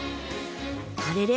あれれ？